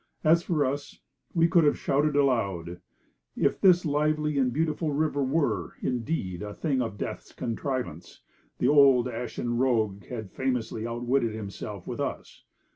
As for us, we could have shouted aloud. If this lively and beautiful river were, indeed, a thing of death's contrivance, the old ashen rogue had famously outwitted himself with us.